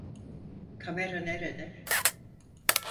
Kamera nerede?